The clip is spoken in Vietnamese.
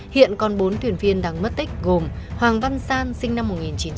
hiện còn bốn thuyền viên đang mất tích gồm hoàng văn san sinh năm một nghìn chín trăm tám mươi